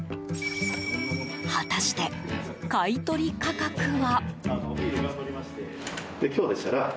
果たして、買い取り価格は？